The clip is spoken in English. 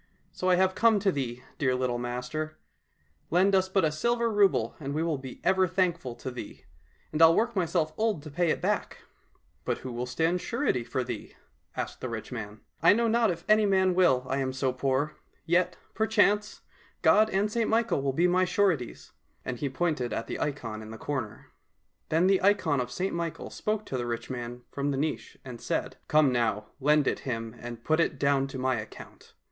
So I have come to thee, dear little master ; lend us but a silver rouble and we will be ever thankful to thee, and I'll work myself old to pay it back." —" But who will stand surety for thee ?" asked the rich man. —*' I know not if any man will, I am so poor. Yet, perchance, God and St Michael will be my sureties," and he pointed at the ikon in the corner. Then the ikon of St Michael spoke to the rich man from the niche and said, " Come now ! lend it him, and put it down to my account.